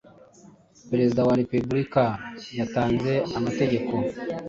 Perezida wa repubulika yatanze amategeko